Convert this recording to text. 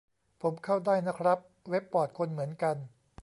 ผมเข้าได้นะครับ เว็บบอร์ด คนเหมือนกัน